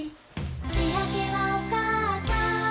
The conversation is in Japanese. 「しあげはおかあさん」